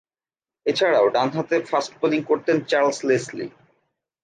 এছাড়াও ডানহাতে fast bowling করতেন চার্লস লেসলি।